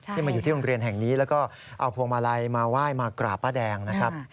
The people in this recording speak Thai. มาอยู่ที่โรงเรียนแห่งนี้แล้วก็เอาพวงมาลัยมาไหว้มากราบป้าแดงนะครับ